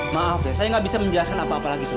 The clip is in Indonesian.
maaf ya saya gak bisa menjelaskan apa apa lagi sama kamu